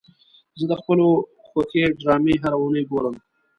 زه د خپلو خوښې ډرامې هره اونۍ ګورم.